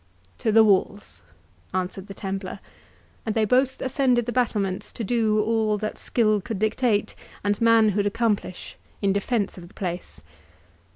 "To the walls!" answered the Templar; and they both ascended the battlements to do all that skill could dictate, and manhood accomplish, in defence of the place.